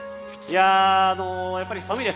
やっぱり寒いです。